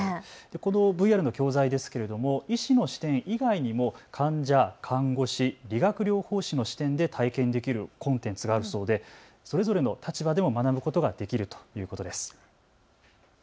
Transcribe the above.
このＶＲの教材ですけども医師の視点以外にも患者、看護師、理学療法士の視点で体験できるコンテンツがあるそうでそれぞれの立場でも学ぶことができるということです。